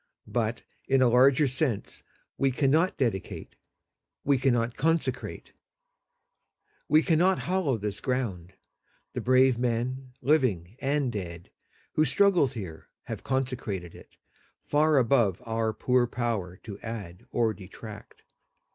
But, in a larger sense, we cannot dedicate. . .we cannot consecrate. .. we cannot hallow this ground. The brave men, living and dead, who struggled here have consecrated it, far above our poor power to add or detract.